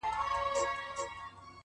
د طبیعت په تقاضاوو کي یې دل و ول کړم ـ